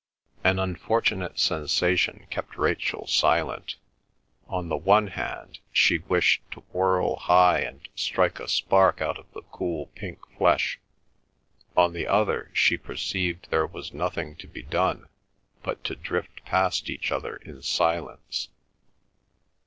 An uncomfortable sensation kept Rachel silent; on the one hand, she wished to whirl high and strike a spark out of the cool pink flesh; on the other she perceived there was nothing to be done but to drift past each other in silence.